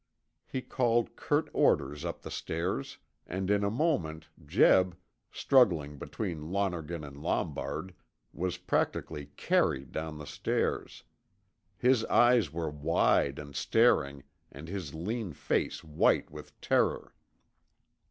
He called curt orders up the stairs, and in a moment Jeb, struggling between Lonergan and Lombard, was practically carried down the stairs. His eyes were wide and staring, and his lean face white with terror.